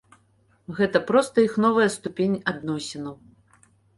Гэта проста іх новая ступень адносінаў.